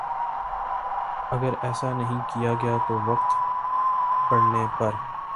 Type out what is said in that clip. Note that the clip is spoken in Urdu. اگر ایسا نہیں کیا گیا تو وقت پڑنے پر